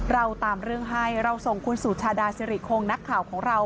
เราตามเรื่องให้เราส่งคุณสุชาดาสิริคงนักข่าวของเรา